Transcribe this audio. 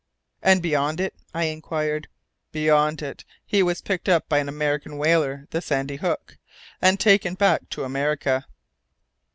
"And beyond it?" I inquired. "Beyond it. He was picked up by an American whaler, the Sandy Hook, and taken back to America."